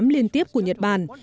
liên tiếp của nhật bản